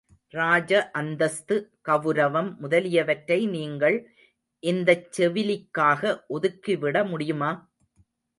ராஜ அந்தஸ்து, கவுரவம் முதலியவற்றை நீங்கள் இந்தச் செவிலிக்காக ஒதுக்கிவிட முடியுமா?